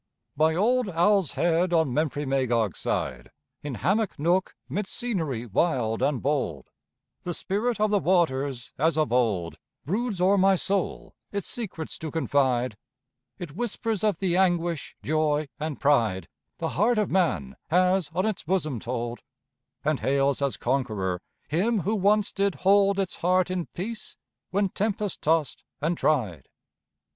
By old Owl's Head on Memphremagog's side, In hammock nook 'midst scenery wild and bold, The spirit of the waters, as of old, Broods o'er my soul, its secrets to confide, It whispers of the anguish, joy, and pride, The heart of man has on its bosom told; And hails as conqueror Him who once did hold Its heart in peace when tempest tossed and tried.